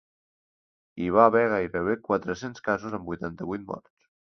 Hi va haver gairebé quatre-cents casos amb vuitanta-vuit morts.